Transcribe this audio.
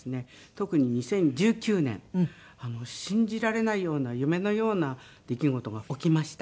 特に２０１９年信じられないような夢のような出来事が起きました。